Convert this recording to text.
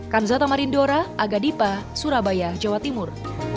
kanzata marindora aga dipa surabaya jawa timur